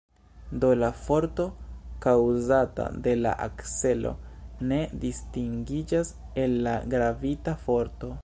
Do la forto kaŭzata de la akcelo ne distingiĝas el la gravita forto.